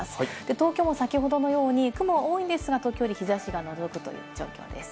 東京も先ほどのように雲多いんですが時折、日差しがのぞくという状況です。